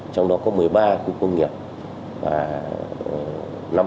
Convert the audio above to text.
trong đó có một mươi ba khu công nghiệp